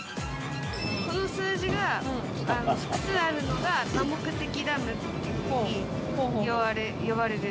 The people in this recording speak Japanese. この数字が複数あるのが多目的ダムっていうふうに呼ばれて。